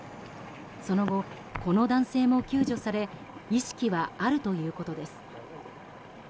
その後、この男性も救助され意識はあるということです。